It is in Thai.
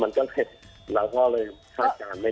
มันก็เหลือเพราะเลยทายการไม่ได้